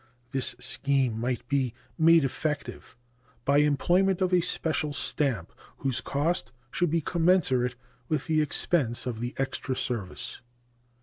This scheme might be made effective by employment of a special stamp whose cost should be commensurate with the expense of the extra service.